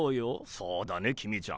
そうだね公ちゃん。